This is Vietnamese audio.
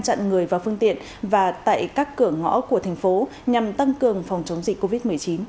chặn người và phương tiện và tại các cửa ngõ của thành phố nhằm tăng cường phòng chống dịch covid một mươi chín